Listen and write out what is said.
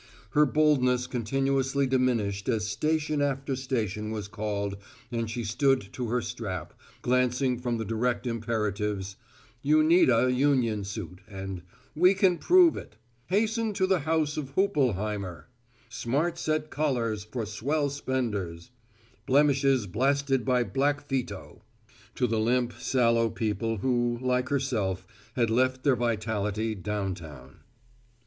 Her boldness continuously diminished as station after station was called and she stood to her strap, glancing from the direct imperatives, "Uneeda Union Suit and We Can Prove It," "Hasten to the House of Hoopelheimer," "Smart Set Collars for Swell Spenders," "Blemishes Blasted by Blackfeeto," to the limp, sallow people who, like herself, had left their vitality downtown.